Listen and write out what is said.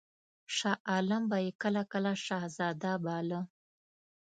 شاه عالم به یې کله کله شهزاده باله.